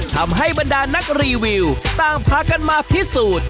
ทำให้บรรดานักรีวิวต่างพากันมาพิสูจน์